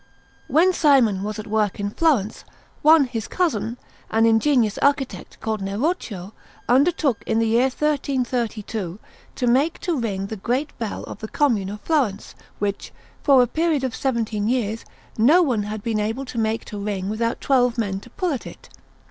While Simone was at work in Florence, one his cousin, an ingenious architect called Neroccio, undertook in the year 1332 to make to ring the great bell of the Commune of Florence, which, for a period of seventeen years, no one had been able to make to ring without twelve men to pull at it.